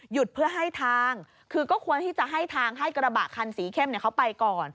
เพื่อให้ทางคือก็ควรที่จะให้ทางให้กระบะคันสีเข้มเขาไปก่อน